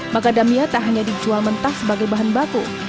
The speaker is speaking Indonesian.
macadamia tak hanya dijual mentah sebagai bahan baku